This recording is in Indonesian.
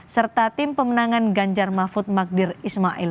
serta tim pemenangan ganjar mahfud magdir ismail